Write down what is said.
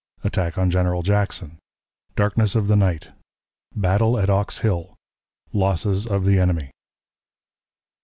Attack on General Jackson. Darkness of the Night. Battle at Ox Hill. Losses of the Enemy.